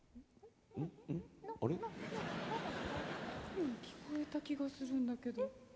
うん聞こえた気がするんだけど。